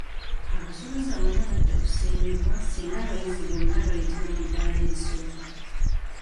Abasomesa bonna bajja kusiimibwa singa abayizi bonna bayitira mu ddaala erisooka.